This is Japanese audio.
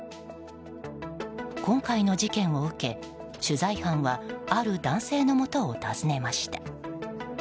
今回の事件を受け、取材班はある男性の元を訪ねました。